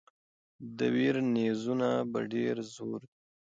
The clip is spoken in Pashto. د ویر نیزونه په ډېر زور دي.